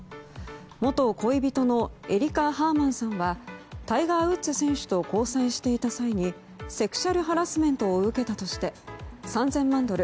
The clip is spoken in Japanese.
元恋人のエリカ・ハーマンさんはタイガー・ウッズ選手と交際していた際にセクシュアルハラスメントを受けたとして３０００万ドル